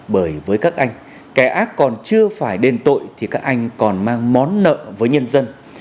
bởi với các anh kẻ ác còn chưa phải đền tội thì các anh còn mang món nợ với nhân dân